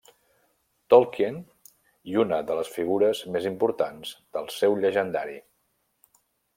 Tolkien, i una de les figures més importants del seu llegendari.